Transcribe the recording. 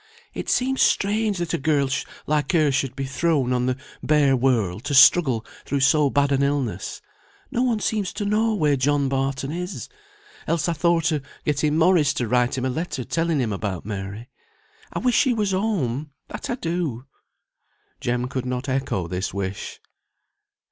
"It seems strange that a girl like her should be thrown on the bare world to struggle through so bad an illness. No one seems to know where John Barton is, else I thought of getting Morris to write him a letter telling him about Mary. I wish he was home, that I do!" Jem could not echo this wish.